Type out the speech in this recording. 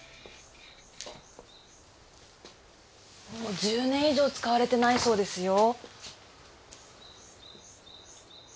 もう１０年以上使われてないそうですよ。